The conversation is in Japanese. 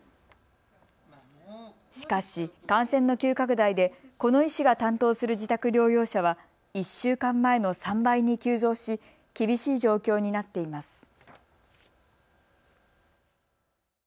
しかし感染の急拡大でこの医師が担当する自宅療養者は１週間前の３倍に急増し、厳しい状況になっています。